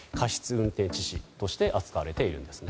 運転致死として扱われているんです。